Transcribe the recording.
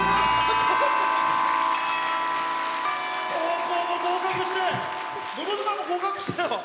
高校も合格して「のど自慢」も合格したよ。